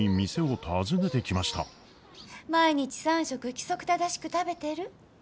毎日３食規則正しく食べてる？